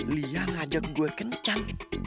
lia ngajak gue kencan